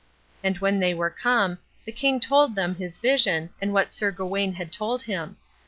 And when they were come, the king told them his vision, and what Sir Gawain had told him.